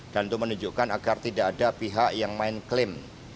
dan itu menunjukkan agar tidak ada pihak yang main klaim